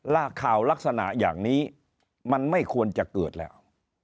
ข่าวลักษณะอย่างนี้มันไม่ควรจะเกิดแล้ว